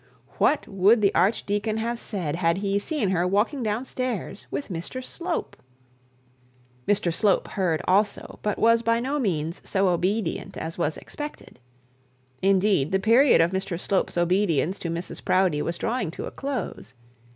What would the archdeacon have said had he seen her walking down stairs with Mr Slope? Mr Slope heard also, but was by no means so obedient as was expected. Indeed, the period of Mr Slope's obedience to Mrs Proudie was drawing to a close.